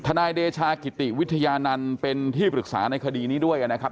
นายเดชากิติวิทยานันต์เป็นที่ปรึกษาในคดีนี้ด้วยนะครับ